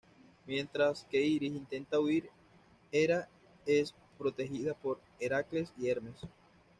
Mientras que Iris intenta huir, Hera es protegida por Heracles y Hermes.